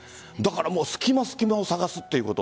隙間、隙間を探すということ。